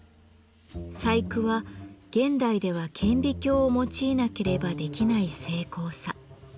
細工は現代では顕微鏡を用いなければできない精巧さ。